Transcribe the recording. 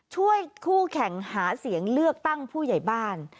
ช่วยคู่แข่งหาเสียงเลือกตั้งผู้ใหญ่บ้าน